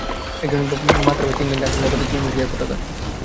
একজনের মাথার পাশে ইংল্যান্ড ও আরেকজনের পাশে তিউনিসিয়ার পতাকা।